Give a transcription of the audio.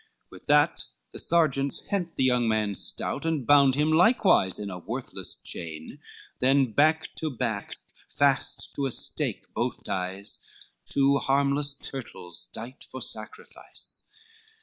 With that the sergeants hent the young man stout, And bound him likewise in a worthless chain; Then back to back fast to a stake both ties, Two harmless turtles dight for sacrifice.